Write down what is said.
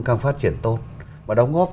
càng phát triển tốt và đóng góp